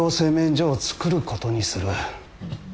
所を作ることにする。